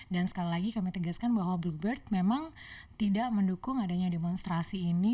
dan sekali lagi kami tegaskan bahwa bluebird memang tidak mendukung adanya demonstrasi ini